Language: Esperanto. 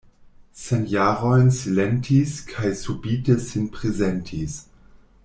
Cent jarojn silentis kaj subite sin prezentis.